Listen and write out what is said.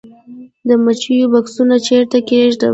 د مچیو بکسونه چیرته کیږدم؟